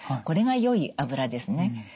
これがよい脂ですね。